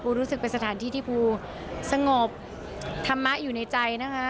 รู้สึกเป็นสถานที่ที่ปูสงบธรรมะอยู่ในใจนะคะ